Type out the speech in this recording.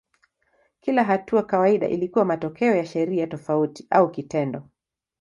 Kila hatua kawaida ilikuwa matokeo ya sheria tofauti au kitendo.